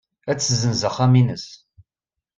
Ad tessenz axxam-nnes.